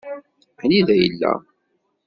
Anida yella?